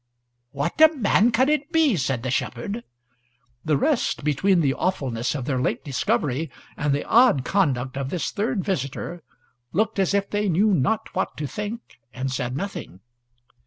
"What a man can it be?" said the shepherd. The rest, between the awfulness of their late discovery and the odd conduct of this third visitor, looked as if they knew not what to think, and said nothing.